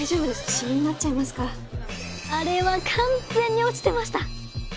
シミになっちゃいますからあれは完全に落ちてました。